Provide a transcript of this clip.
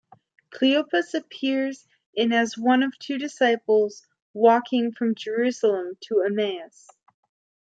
Cleopas appears in as one of two disciples walking from Jerusalem to Emmaus.